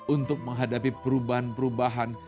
untuk menghadapi perubahan perubahan